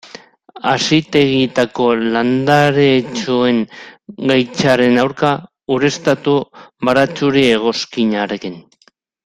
Hazitegietako landaretxoen gaitzaren aurka, ureztatu baratxuri-egoskinarekin.